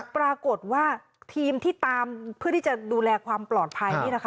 ปรากฏว่าทีมที่ตามเพื่อดูแลความปลอดภัย